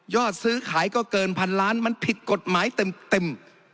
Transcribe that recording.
ซื้อขายก็เกินพันล้านมันผิดกฎหมายเต็ม